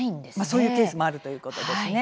そういうケースもあるということですね。